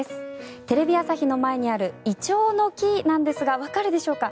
テレビ朝日の前にあるイチョウの木なんですがわかるでしょうか。